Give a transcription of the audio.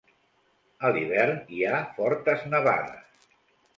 A l'hivern hi ha fortes nevades.